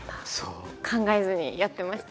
考えずにやってました。